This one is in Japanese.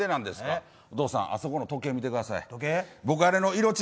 お父さんあそこの時計、見てください。